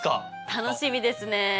楽しみですね。